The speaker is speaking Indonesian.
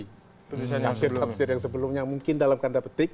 kapsir kapsir yang sebelumnya mungkin dalam kanda petik